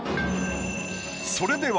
それでは。